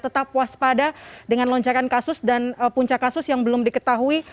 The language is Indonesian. tetap waspada dengan lonjakan kasus dan puncak kasus yang belum diketahui